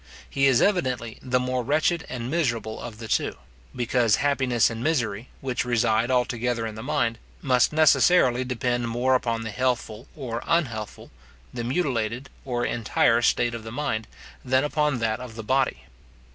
He is evidently the more wretched and miserable of the two; because happiness and misery, which reside altogether in the mind, must necessarily depend more upon the healthful or unhealthful, the mutilated or entire state of the mind, than upon that of the body.